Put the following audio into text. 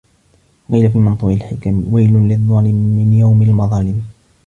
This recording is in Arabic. وَقِيلَ فِي مَنْثُورِ الْحِكَمِ وَيْلٌ لِلظَّالِمِ مِنْ يَوْمِ الْمَظَالِمِ